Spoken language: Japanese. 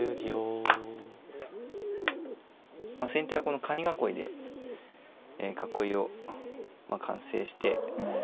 まあ先手はこのカニ囲いで囲いを完成して。